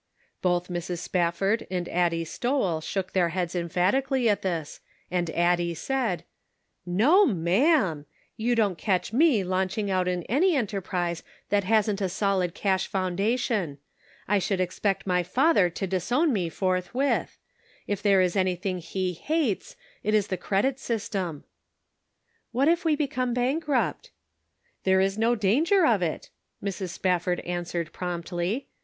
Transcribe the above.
" Both Mrs. Spafford and Addie Stowell shook their heads emphatically at this, and Addie said : "No ma'am! You don't catch me launch ing out in any enterprise that hasn't a solid cash foundation. I should expect my father to disown me forthwith. If there is anything he hates it is the credit system." " What if we become bankrupt ?"" There is no danger of it," Mrs. Spafford answered promptly.